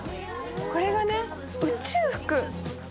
これがね、宇宙服。